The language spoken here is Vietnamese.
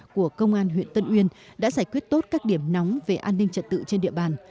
của công an huyện tân uyên đã giải quyết tốt các điểm nóng về an ninh trật tự trên địa bàn